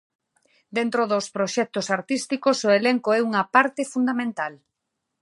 Dentro dos proxectos artísticos, o elenco é unha parte fundamental.